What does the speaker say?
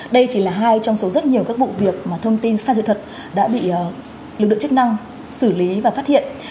đây chỉ là hai trong số rất nhiều các vụ việc thông tin sai sự thật đã bị lực lượng chức năng xử lý và phát hiện